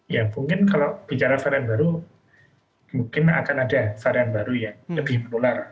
ya mungkin kalau bicara varian baru mungkin akan ada varian baru yang lebih menular